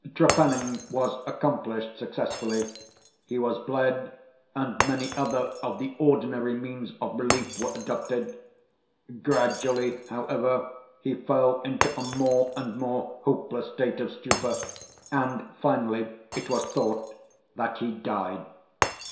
Trepanning was accomplished successfully. He was bled, and many other of the ordinary means of relief were adopted. Gradually, however, he fell into a more and more hopeless state of stupor, and, finally, it was thought that he died.